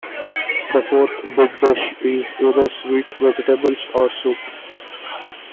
The fourth "big dish" is either sweet vegetables or soup.